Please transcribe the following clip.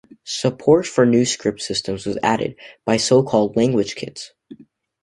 Support for new script systems was added by so-called Language Kits.